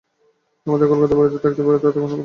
আমাদের কলকাতার বাড়িতে থাকতে পার, তাতে কোনো বাধা নেই।